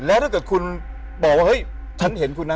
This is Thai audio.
แล้วถ้าเกิดคุณบอกว่าเฮ้ยฉันเห็นคุณนะ